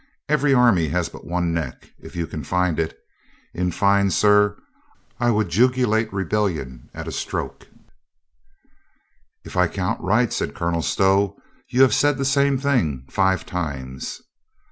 Every army has but one neck if you can find it. In fine, sir, I would jugulate rebellion at a stroke." THE KING LOOKS 351 "If I count right," said Colonel Stow, "you have said the same thing five times."